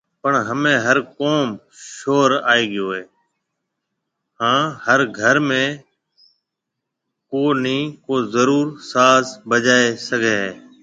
پڻ همي هر قوم شعور آئي گيو هي هان هر گھر ۾ ڪو ني ڪو ضرور ساز بجائي ۿگھيَََ هي۔